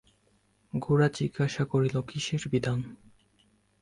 গোরা জিজ্ঞাসা করিল, কিসের বিধান?